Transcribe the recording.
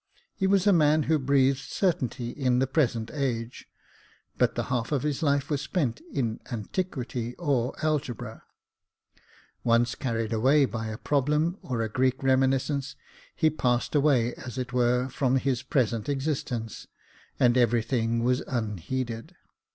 He was a man who breathed certainly in the present age, but the half of his life was spent in antiquity or algebra. Once carried away by a problem,, or a Greek reminiscence, he passed away as it were, from his present existence, and every thing was unheeded.